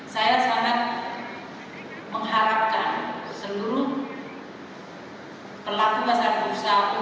saya sangat mengharapkan seluruh pelaku pasar berusaha